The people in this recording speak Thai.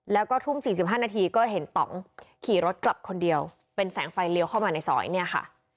แล้วก็ทุ่ม๔๕นาทีก็เห็นต่องขี่รถกลับคนเดียวเป็นแสงไฟเลี้ยวเข้ามาในซอยเนี่ยค่ะ